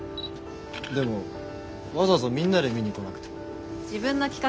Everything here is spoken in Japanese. でもわざわざみんなで見に来なくても。